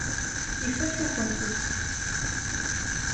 Ifakk-akent-tt.